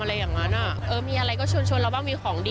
เอ้าว้าววันเจทัยทำไม